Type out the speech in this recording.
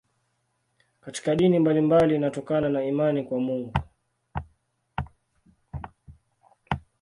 Katika dini mbalimbali inatokana na imani kwa Mungu.